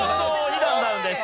２段ダウンです。